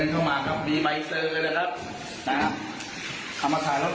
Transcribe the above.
ขอให้มีเงินนะครับนะครับเดี๋ยวกันเข้ามาครับ